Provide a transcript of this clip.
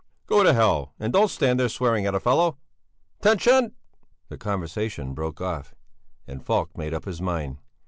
"Go to hell, and don't stand there swearing at a fellow! 'tention!" The conversation broke off, and Falk made up his mind.